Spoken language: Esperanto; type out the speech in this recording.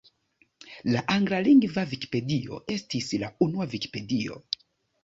La anglalingva Vikipedio estis la unua Vikipedio.